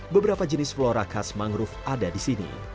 beberapa jenis flora khas mangrove ada di sini